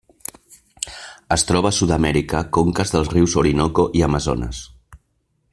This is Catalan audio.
Es troba a Sud-amèrica: conques dels rius Orinoco i Amazones.